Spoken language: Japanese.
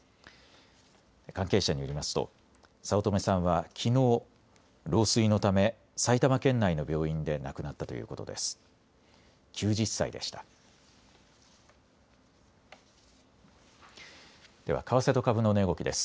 関係者によりますと早乙女さんはきのう、老衰のため埼玉県内の病院で亡くなったということです。